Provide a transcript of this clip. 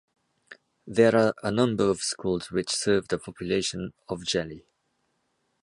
There are a number of schools which serve the population of Jeli.